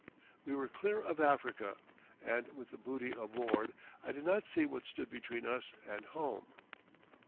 We were clear of Africa—and with the booty aboard I did not see what stood between us and home.